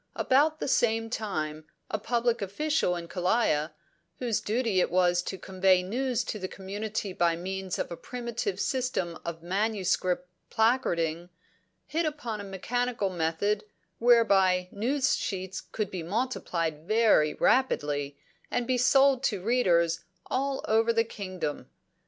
About the same time, a public official in Kalaya, whose duty it was to convey news to the community by means of a primitive system of manuscript placarding, hit upon a mechanical method whereby news sheets could be multiplied very rapidly and be sold to readers all over the kingdom.